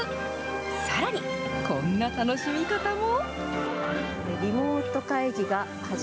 さらに、こんな楽しみ方も。